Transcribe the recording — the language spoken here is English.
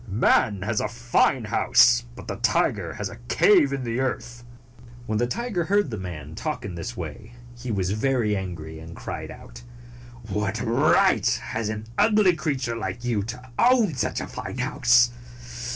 Man has a fine house, but the tiger has a cave in the earth." When the tiger heard the man talk in this way, he was very angry, and cried out, "What right has an ugly creature like you to own such a fine house?